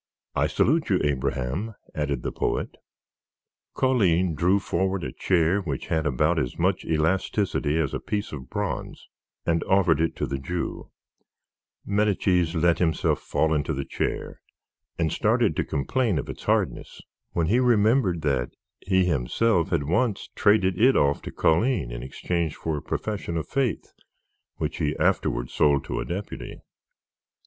I salute you, Abraham," added the poet. Colline drew forward a chair which had about as much elasticity as a piece of bronze and offered it to the Jew, Medicis let himself fall into the chair, and started to complain of its hardness, when he remembered that he himself had once traded it off to Colline in exchange for a profession of faith which he afterward sold to a deputy.